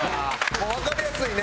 もうわかりやすいね。